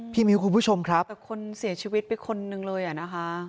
มิ้วคุณผู้ชมครับแต่คนเสียชีวิตไปคนนึงเลยอ่ะนะคะ